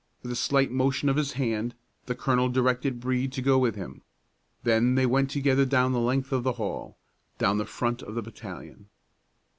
With a slight motion of his hand, the colonel directed Brede to go with him. Then they went together down the length of the hall, down the front of the battalion.